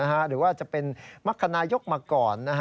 หรือว่าจะเป็นมรรคนายกมาก่อน